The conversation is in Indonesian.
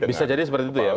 bisa jadi seperti itu ya